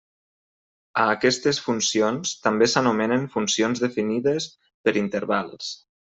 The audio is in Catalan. A aquestes funcions també s'anomenen funcions definides per intervals.